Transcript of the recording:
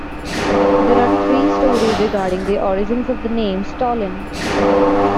There are three stories regarding the origins of the name "Stolin".